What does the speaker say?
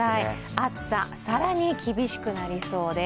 暑さ、更に厳しくなりそうです。